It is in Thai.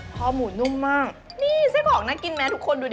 พอหมูนุ่มมากนี่ไส้ของน่ากินไหมทุกคนดูดิ